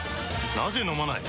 なぜ飲まない？